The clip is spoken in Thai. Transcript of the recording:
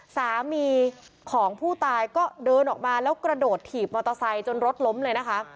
สามีของผู้ตายก็เดินออกมาแล้วกระโดดถีบมอเตอร์ไซค์จนรถล้มเลยนะคะ